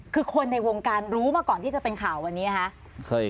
คือคนในวงการรู้มาก่อนที่จะเป็นข่าววันนี้นะคะ